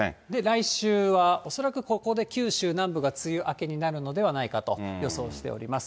来週は恐らくここで九州南部が梅雨明けになるのではないかと予想しております。